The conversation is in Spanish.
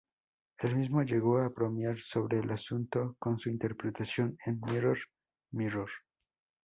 Él mismo llegó a bromear sobre el asunto con su interpretación en "Mirror Mirror".